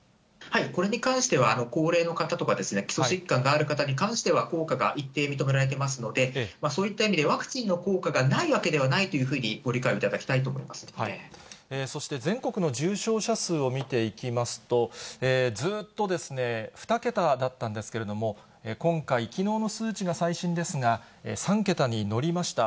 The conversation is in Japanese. これに関しては、高齢の方とか、基礎疾患がある方に関しては効果が一定認められていますので、そういった意味で、ワクチンの効果がないわけではないというふうに、ご理解を頂きたそして全国の重症者数を見ていきますと、ずっと２桁だったんですけれども、今回、きのうの数値が最新ですが、３桁に乗りました。